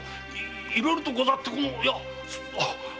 いろいろとござって！